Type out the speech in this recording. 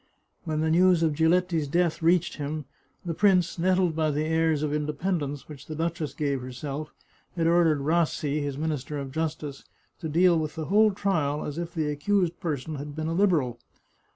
When the news of Giletti's death reached him, the prince, nettled by the airs of independence which the duchess gave herself, had ordered Rassi, his Minister of Justice, to deal with the whole trial as if the accused person had been a Liberal.